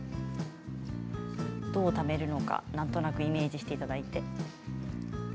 どう、ためるのかなんとなくイメージしていただいて。